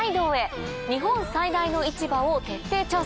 日本最大の市場を徹底調査。